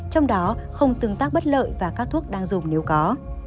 trong đó không tương tác bất lợi và các thuốc đang dùng nếu có